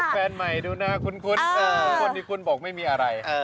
แฟนใหม่ดูหน้าคุ้นคนที่คุ้นบอกไม่มีอะไร